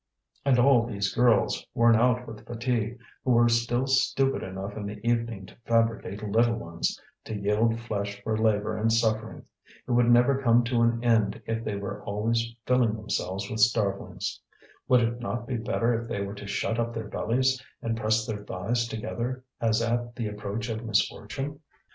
And all these girls, worn out with fatigue, who were still stupid enough in the evening to fabricate little ones, to yield flesh for labour and suffering! It would never come to an end if they were always filling themselves with starvelings. Would it not be better if they were to shut up their bellies, and press their thighs together, as at the approach of misfortune?